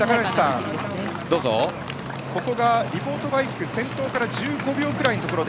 ここがリポートバイク先頭から１５秒くらいのところ。